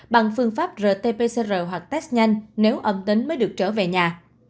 bằng phương pháp rt pcr hoặc test nhanh nếu âm tính mới được trở về nhà